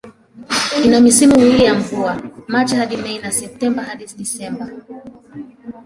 Ina misimu miwili ya mvua, Machi hadi Mei na Septemba hadi Disemba.